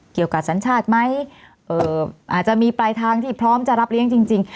สัญชาติไหมอาจจะมีปลายทางที่พร้อมจะรับเลี้ยงจริง